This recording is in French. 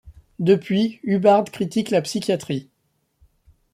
Depuis, Hubbard critique la psychiatrie.